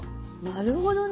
なるほどね。